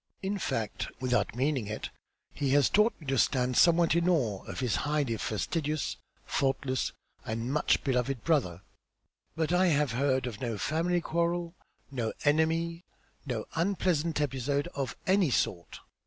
In fact, without meaning it, he has taught me to stand somewhat in awe of this highly fastidious, faultless and much beloved brother, but I have heard of no family quarrel, no enemy, no unpleasant episode of any sort.